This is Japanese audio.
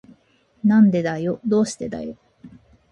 なんでだよ。どうしてだよ。